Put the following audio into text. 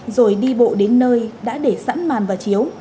rồi đi bộ đến nơi đã để sẵn màn và chiếu